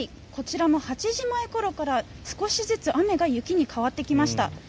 こちらも８時前ごろから少しずつ雨から雪に変わってきました。